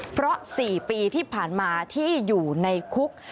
เพราะ๔ปีที่ผ่านมาที่อยู่ในคุก